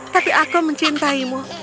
tapi aku mencintaimu